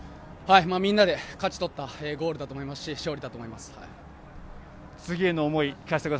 みんなで勝ち取ったゴールだと思いますし次への思い